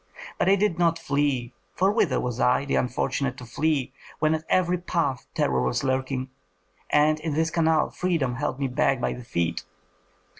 But I did not flee, for whither was I, the unfortunate, to flee, when at every path terror was lurking, and in this canal freedom held me back by the feet?